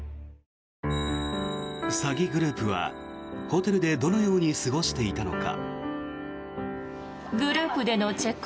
詐欺グループはホテルでどのように過ごしていたのか。